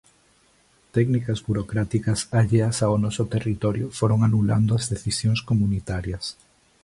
Técnicas burocráticas alleas ao noso territorio foron anulando as decisións comunitarias.